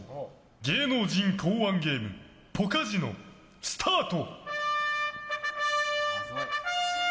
芸人考案ゲームポカジノスタート！